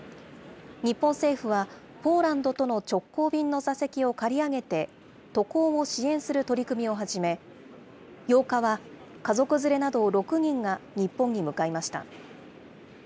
日本政府は、ポーランドとの直行便の座席を借り上げて渡航を支援する取り組みを始め、８日は、家族連れなど６人が日本に向かいました。